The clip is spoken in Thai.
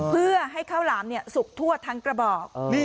เพื่อให้ข้าวหลามสุกทั่วทั้งกระบอก